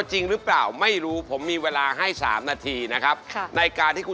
ชื่อนางสาวอะพิสัดาโกะสันเทียค่ะ